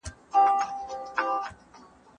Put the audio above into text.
خدیجې د تورو چایو پیاله د ځان لپاره ډکه کړه.